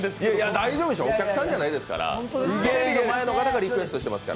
大丈夫でしょう、お客さんじゃないですから、テレビの前の方のリクエストですから。